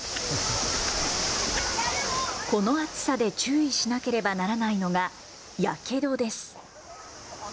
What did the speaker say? この暑さで注意しなければならないのがやけどです。